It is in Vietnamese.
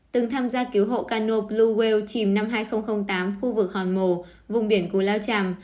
từng tham gia cứu hộ cano blue whale chìm năm hai nghìn tám khu vực hòn mồ vùng biển của lao chàm